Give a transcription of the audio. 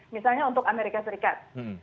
misalnya untuk amerika serikat